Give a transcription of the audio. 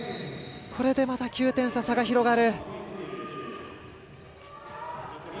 これでまた９点差、差が広がる。